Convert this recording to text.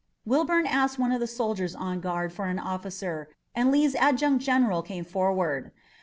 Wilbourn asked one of the soldiers on guard for an officer, and Lee's adjutant general came forward.